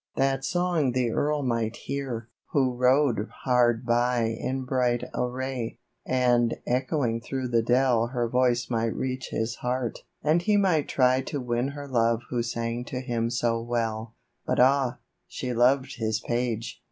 (That song the earl might hear, who rode hard by In bright array, and echoing through the dell Her voice might reach his heart, and he might try To win her love who sang to him so well, But ah ! she loved his page